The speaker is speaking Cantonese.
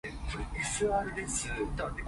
他們這羣人，又想喫人，